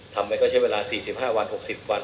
ทำไมก็ใช้เวลา๔๕วัน๖๐วัน